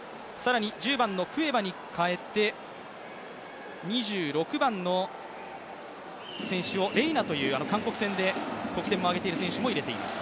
１０番のクエバに代えて２６番のレイナという韓国戦で点をあげている選手に代えます